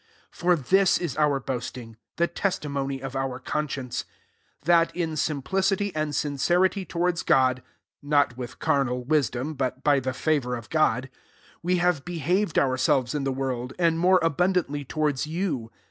12 For this is our boasting,* he testimony of our conscience; hat, in simplicity and sincerity owards God, (not with carnal wisdom, but by the favour of jod,) we have behaved our «lves in the world, and more ibundantly towards you.